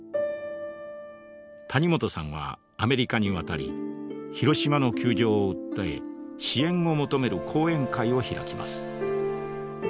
谷本さんはアメリカに渡り広島の窮状を訴え支援を求める講演会を開きます。